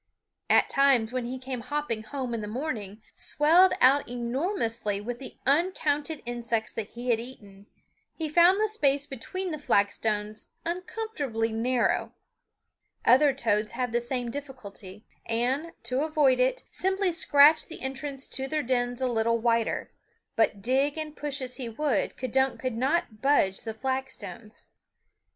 At times when he came hopping home in the morning, swelled out enormously with the uncounted insects that he had eaten, he found the space between the flagstones uncomfortably narrow. Other toads have the same difficulty and, to avoid it, simply scratch the entrance to their dens a little wider; but dig and push as he would, K'dunk could not budge the flagstones.